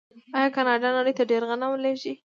آیا کاناډا نړۍ ته ډیر غنم نه لیږي؟